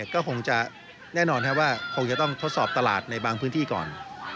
ก็คงจะแน่นอนว่าคงจะต้องทดสอบตลาดในบางพื้นที่ก่อน